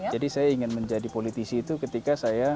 jadi saya ingin menjadi politik itu ketika saya